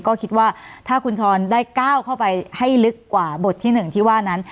ก็คิดว่าถ้าคุณช้อนได้ก้าวเข้าไปให้ลึกกว่าบทที่๑ที่ว่านั้น